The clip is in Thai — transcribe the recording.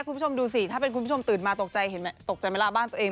คุณผู้ชมดูสิถ้าเป็นคุณผู้ชมตื่นมาตกใจไม่ลาบ้านตัวเอง